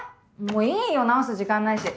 もういいよ直す時間ないし。